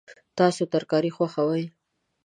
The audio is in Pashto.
تاسو ترکاري خوښوئ؟